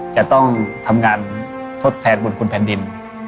จะต้องทำงานทดแทนบุญคุณแผ่นดิน